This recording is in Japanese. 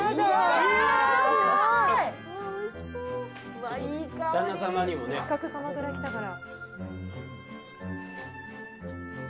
せっかく鎌倉へ来たから。